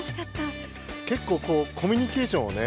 結構コミュニケーションをね